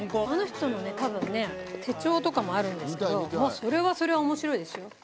あの人の手帳とかもあるんですけど、もうそれはそれはおもしろいですよ。